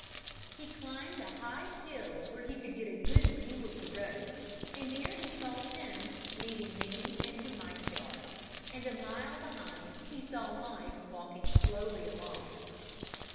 He climbed a high hill where he could get a good view of the road and there he saw Tim leading Nanny into Mike's yard, and a mile behind he saw Mike walking slowly along.